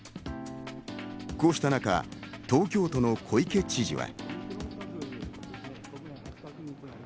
こうした中、東京都の小池知事は。